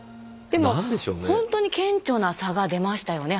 でもほんとに顕著な差が出ましたよね